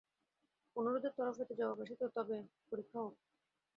অনুরোধের তরফ হইতে জবাব আসিত, তবে পরীক্ষা হউক।